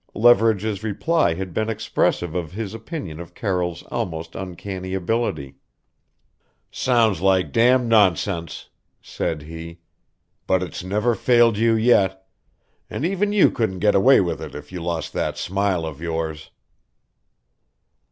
Leverage's reply had been expressive of his opinion of Carroll's almost uncanny ability. "Sounds like damned nonsense," said he; "but it's never failed you yet. And even you couldn't get away with it if you lost that smile of yours!"